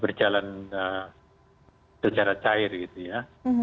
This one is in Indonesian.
berjalan secara cair gitu ya